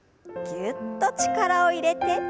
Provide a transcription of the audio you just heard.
ぎゅっと力を入れて。